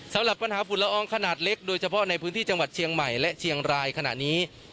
สำหรับปัญหาฝุ่นละอองขนาดเล็กโดยเฉพาะในพื้นที่จังหวัดเชียงใหม่และเชียงรายขณะนี้